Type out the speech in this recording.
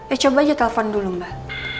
eh coba aja telpon dulu mbak